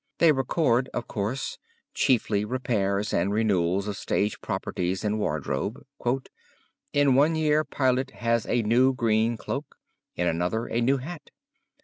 They record, of course, chiefly repairs and renewals of stage properties and wardrobe. "In one year Pilate has a new green cloak, in another a new hat.